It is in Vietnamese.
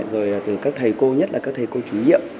rồi từ các thầy cô nhất là các thầy cô trí nhiệm